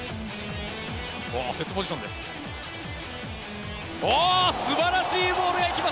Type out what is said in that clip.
おお、セットポジションです。